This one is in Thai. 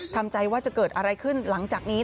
ทำใจว่าจะเกิดอะไรขึ้นหลังจากนี้